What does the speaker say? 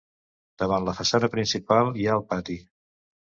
Davant la façana principal hi ha el pati.